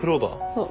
そう。